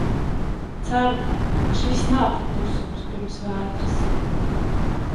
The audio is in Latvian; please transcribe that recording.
Ceru, ka šis nav klusums pirms vētras.